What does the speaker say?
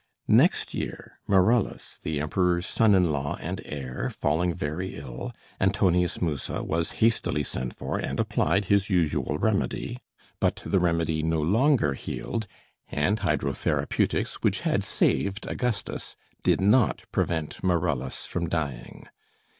Next year Marullus, the Emperor's son in law and heir, falling very ill, Antonius Musa was hastily sent for, and applied his usual remedy. But the remedy no longer healed, and hydrotherapeutics, which had saved Augustus, did not prevent Marullus from dying.